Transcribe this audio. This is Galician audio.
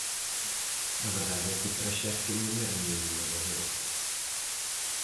A verdade é que o traxecto non era moi innovador.